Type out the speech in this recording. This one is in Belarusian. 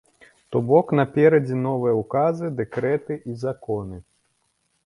То бок, наперадзе новыя ўказы, дэкрэты і законы.